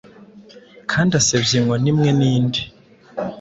Kandi asebya inkoni imwe n'indi